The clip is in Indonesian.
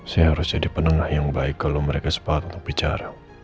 saya harus jadi penengah yang baik kalau mereka sepakat untuk bicara